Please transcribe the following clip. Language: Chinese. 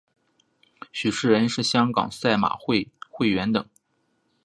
许仕仁是香港赛马会会员等。